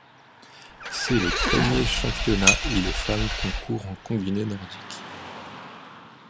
C'est le premier Championnat où les femmes concourent en combiné nordique.